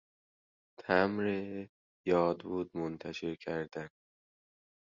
تمبر یاد بود منتشر کردن